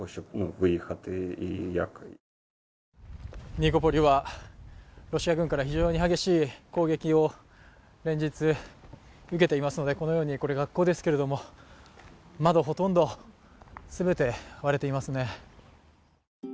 ニコポリはロシア軍から非常に激しい攻撃を連日、受けていますのでこのようにこれ、学校ですけれども窓、ほとんどすべて割れていますね。